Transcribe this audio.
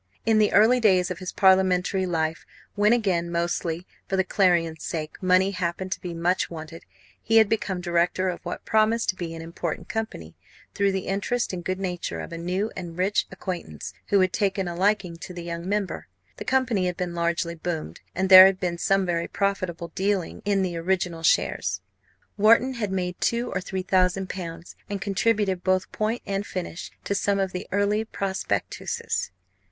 In the early days of his parliamentary life, when, again, mostly for the Clarion's sake, money happened to be much wanted, he had become director of what promised to be an important company, through the interest and good nature of a new and rich acquaintance, who had taken a liking to the young member. The company had been largely "boomed," and there had been some very profitable dealing in the original shares. Wharton had made two or three thousand pounds, and contributed both point and finish to some of the early prospectuses.